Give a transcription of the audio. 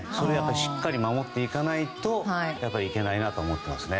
しっかり守っていかないといけないなと思いますね。